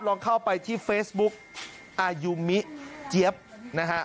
ลองเข้าไปที่เฟซบุ๊กอายุมิเจี๊ยบนะฮะ